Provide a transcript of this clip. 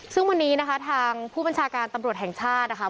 ซึ่งวันนี้นะคะทางผู้บัญชาการตำรวจแห่งชาตินะคะ